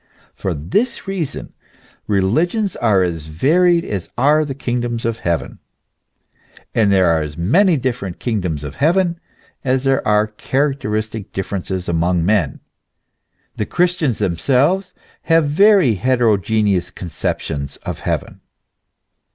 For this reason, religions are as various as are the kingdoms of heaven, and there are as many different kingdoms of heaven as there are characteristic differences among men. The Christians themselves have very heterogeneous conceptions of heaven.